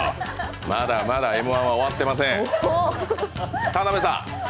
まだまだＭ−１は終わってません。